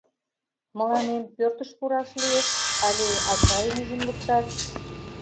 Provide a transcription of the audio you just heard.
Мыланем пӧртыш пураш лиеш але ачайым ӱжын луктат?